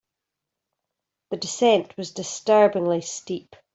The descent was disturbingly steep.